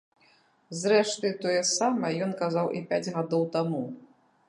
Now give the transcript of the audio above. Зрэшты, тое самае ён казаў і пяць гадоў таму.